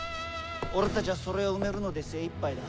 俺たちゃそれを埋めるので精いっぱいだ。